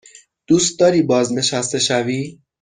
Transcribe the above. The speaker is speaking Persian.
دوست داری بازنشسته شوی؟